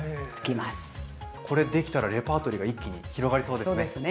これできたらレパートリーが一気に広がりそうですね。